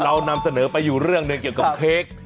เรานำเสนอไปอยู่เรื่องหนึ่งเกี่ยวกับเค้ก